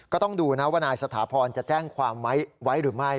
ก็ต้องดูนะว่านายสถาพรจะแจ้งความไว้หรือไม่